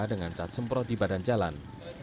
dengan cat semprot di badan jalan